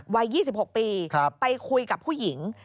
วัย๒๖ปีไปคุยกับผู้หญิง